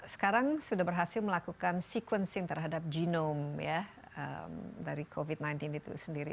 sekarang sudah berhasil melakukan sequencing terhadap genome dari covid sembilan belas itu sendiri